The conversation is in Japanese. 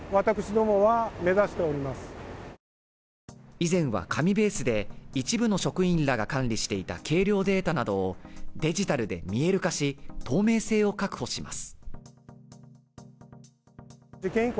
以前は紙ベースで一部の職員らが管理していた計量データなどをデジタルで見える化し透明性を確保します